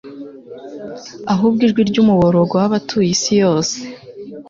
ahubwo ijwi ry'umuborogo w'abatuye isi yose